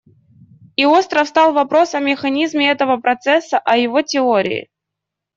И остро встал вопрос о механизме этого процесса, о его теории.